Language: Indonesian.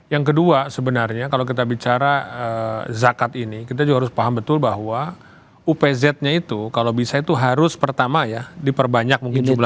yang kedua sebenarnya kalau kita bicara zakat ini kita juga harus paham betul bahwa upz nya itu kalau bisa itu harus pertama ya diperbanyak mungkin jumlahnya